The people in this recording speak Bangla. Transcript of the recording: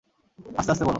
আস্তে আস্তে বলো।